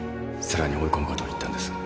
さらに追い込むことを言ったんです